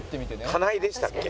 金井でしたっけ？